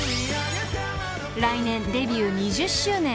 ［来年デビュー２０周年］